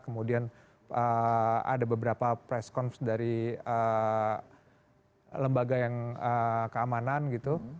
kemudian ada beberapa press conference dari lembaga yang keamanan gitu